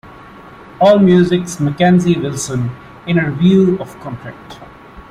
Allmusic's Mackenzie Wilson, in a review of Contact!